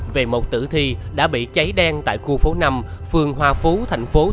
về một tử thi đã bị cháy đen tại khu phố năm phường hoa phú thành phố bình dương